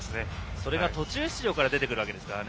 それが途中出場から出てくるわけですからね。